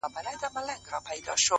نظم ګډوډي کمزورې کوي!